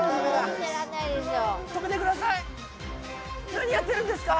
何やってるんですか。